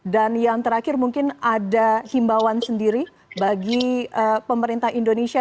dan yang terakhir mungkin ada himbawan sendiri bagi pemerintah indonesia